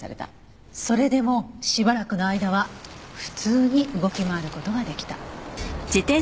それでもしばらくの間は普通に動き回る事ができた。